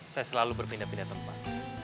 saya selalu berpindah pindah tempat